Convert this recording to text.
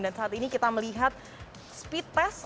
dan saat ini kita melihat speed test